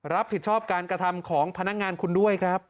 รับผิดชอบการกระทำของพนักงานคุณด้วยครับ